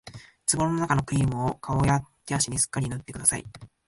壺のなかのクリームを顔や手足にすっかり塗ってください